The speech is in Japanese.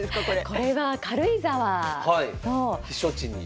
これは軽井沢の。